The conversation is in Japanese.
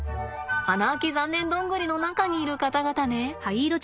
穴開き残念どんぐりの中にいる方々ね。